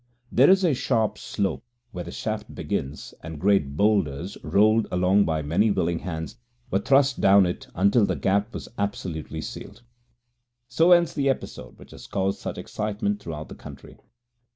There is a sharp slope where the shaft begins, and great boulders, rolled along by many willing hands, were thrust down it until the Gap was absolutely sealed. So ends the episode which has caused such excitement throughout the country.